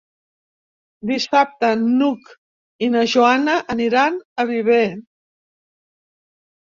Dissabte n'Hug i na Joana aniran a Viver.